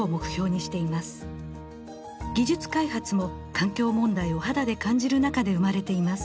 技術開発も環境問題を肌で感じる中で生まれています。